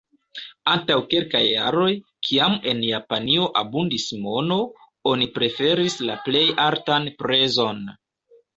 Antaŭ kelkaj jaroj, kiam en Japanio abundis mono, oni preferis la plej altan prezon.